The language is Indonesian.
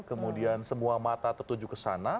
kemudian semua mata tertuju ke sana